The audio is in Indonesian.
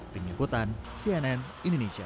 penyelidikan cnn indonesia